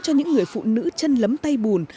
cho những người phụ nữ chân lấm tay buồn